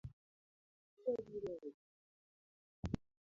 Adwa biro e odi nindo